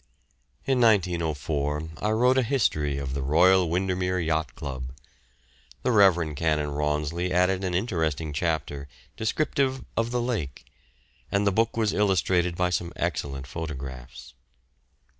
In 1904 I wrote a history of the Royal Windermere Yacht Club. The Rev. Canon Rawnsley added an interesting chapter descriptive of the lake, and the book was illustrated by some excellent photographs.